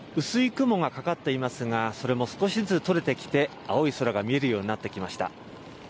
薄い雲がかかっていますが、それも少しずつとれてきて、青い空が見えるようになってきました。